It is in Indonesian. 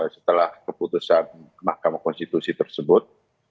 setelah keputusan mahkamah konstitusi tersebut